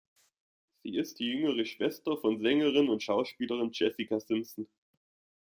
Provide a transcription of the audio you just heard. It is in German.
Sie ist die jüngere Schwester von Sängerin und Schauspielerin Jessica Simpson.